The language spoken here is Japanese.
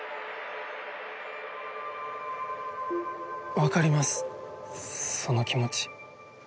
分かりますその気持ち。